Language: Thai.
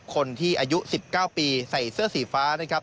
คนที่อายุ๑๙ปีใส่เสื้อสีฟ้านะครับ